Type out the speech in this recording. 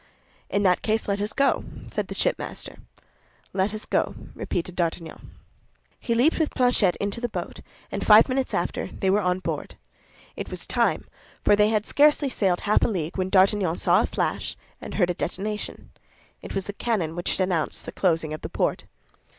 "In that case let us go," said the shipmaster. "Let us go," repeated D'Artagnan. He leaped with Planchet into the boat, and five minutes after they were on board. It was time; for they had scarcely sailed half a league, when D'Artagnan saw a flash and heard a detonation. It was the cannon which announced the closing of the port.